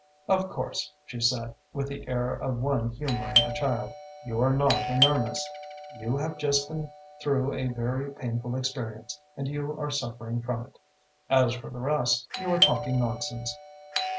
"Of course," she said, with the air of one humoring a child, "you are not in earnest. You have just been through a very painful experience and you are suffering from it. As for the rest, you are talking nonsense."